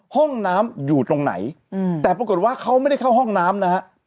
ห้องน้ำอยู่ตรงไหนแต่ปรากฏว่าเขาไม่ได้เข้าห้องน้ำนะฮะ